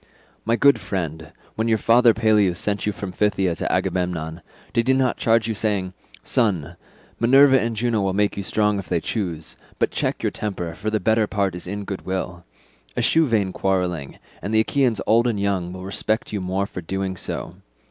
"My good friend, when your father Peleus sent you from Phthia to Agamemnon, did he not charge you saying, 'Son, Minerva and Juno will make you strong if they choose, but check your high temper, for the better part is in goodwill. Eschew vain quarrelling, and the Achaeans old and young will respect you more for doing so.